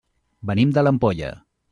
Venim de l'Ampolla.